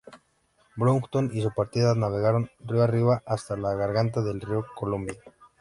Broughton y su partida navegaron río arriba hasta la garganta del río Columbia.